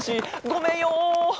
ごめんよ！